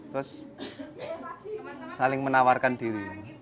terus saling menawarkan diri